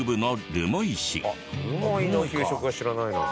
留萌の給食は知らないな。